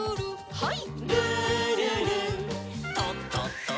はい。